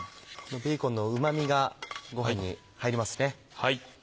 ベーコンのうま味がごはんに入りますね。